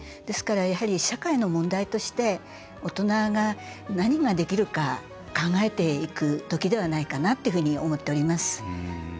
ですからやはり社会の問題として大人が何ができるか考えていくときではないかなと思っております。